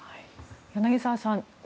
柳澤さん